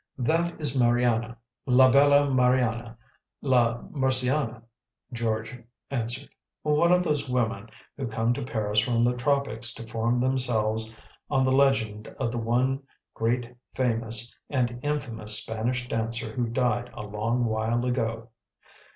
"That is Mariana 'la bella Mariana la Mursiana,'" George answered; " one of those women who come to Paris from the tropics to form themselves on the legend of the one great famous and infamous Spanish dancer who died a long while ago.